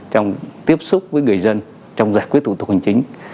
trong tiếp xúc với người dân trong giải quyết thủ tục hành chính